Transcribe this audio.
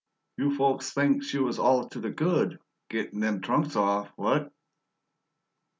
"You folks thinks you was all to the gud, gittin' them trunks off, what?"